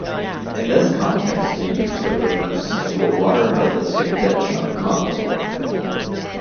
In this context it usually refers to a water-harvesting ditch on contour.